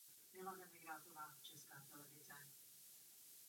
Koruna stromu vrhá stín na jihovýchodní cíp místního fotbalového hřiště.